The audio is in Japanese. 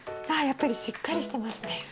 ああやっぱりしっかりしてますね。